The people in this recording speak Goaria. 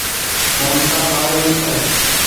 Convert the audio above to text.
ممتآ ٻآري نيکڙ